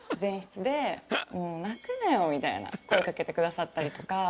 みたいな声かけてくださったりとか。